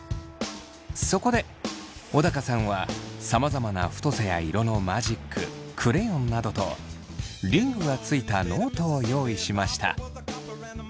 そこで小高さんはさまざまな太さや色のマジッククレヨンなどとリングがついたノートを用意しました。